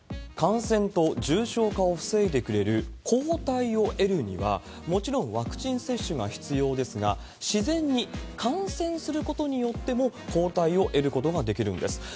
感染と重症化を防いでくれる抗体を得るには、もちろんワクチン接種が必要ですが、自然に感染することによっても、抗体を得ることができるんです。